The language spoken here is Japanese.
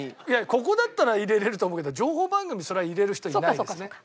いやここだったら入れられると思うけど情報番組そりゃ入れる人いないですね。